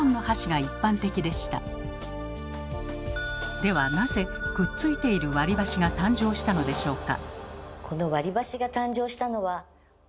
ではなぜくっついている割り箸が誕生したのでしょうか？